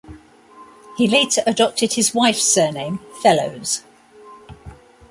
He later adopted his wife's surname Fellowes.